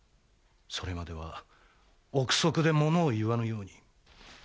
それまでは憶測でものを言わぬように。